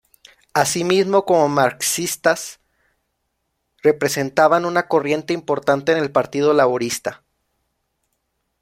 Así mismo, como marxistas, representaban una corriente importante en el Partido Laborista.